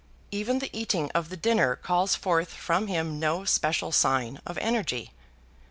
Even the eating of the dinner calls forth from him no special sign of energy.